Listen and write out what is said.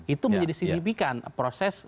itu menjadi signifikan proses